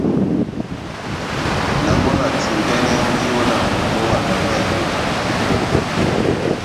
Na mɔ́ na tingɛnɛhɛ mbwiyo na momó wa Nanga-Eboko.